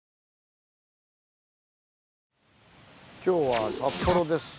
今日は札幌です。